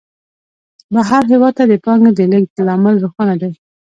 بهر هېواد ته د پانګې د لېږد لامل روښانه دی